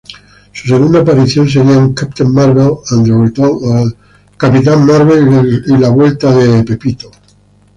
Su segunda aparición, sería en "Captain Marvel and the return of the Mr.